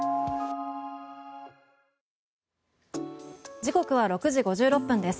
時刻は６時５６分です。